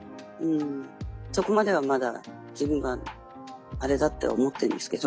そこまではまだ自分はあれだって思ってるんですけど。